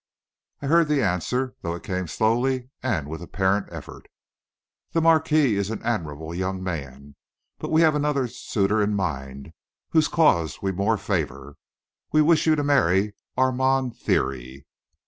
I heard the answer, though it came slowly and with apparent effort. "The marquis is an admirable young man, but we have another suitor in mind whose cause we more favor. We wish you to marry Armand Thierry."